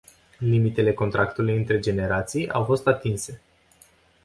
Limitele contractului între generații au fost atinse.